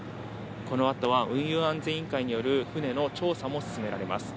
この後は運輸安全委員会による船の調査も進められます。